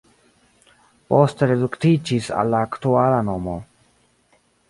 Poste reduktiĝis al la aktuala nomo.